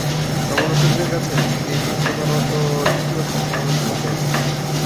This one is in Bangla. সমালোচকদের কাছ থেকে হিট প্রধানত ইতিবাচক সমালোচনা পেয়েছে।